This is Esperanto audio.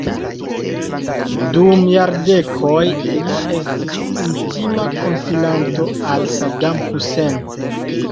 Dum jardekoj li estis intima konsilanto al Saddam Hussein.